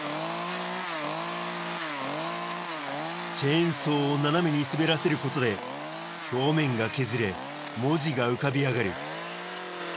チェーンソーを斜めに滑らせることで表面が削れ文字が浮かび上がる